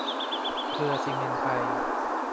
เครือซิเมนต์ไทย